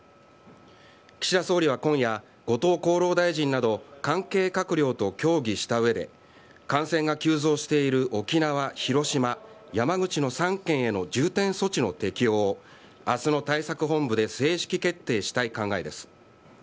岸田総理は今夜後藤厚労大臣など関係閣僚と協議した上で感染が急増している沖縄、広島、山口の３県への重点措置の適用を明日の対策本部で正式決定したい考えです。